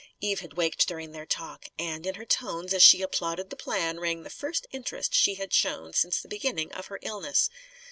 Eve had waked, during their talk. And, in her tones, as she applauded the plan, rang the first interest she had shown since the beginning of her illness.